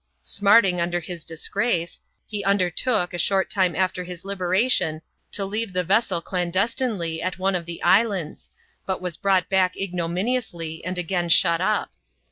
Smarting under his disgrace, he under took, a short time after his liberation, to leave the vessel dan destinely at one of the islands, but was brought back ignomi niously, and again shut up.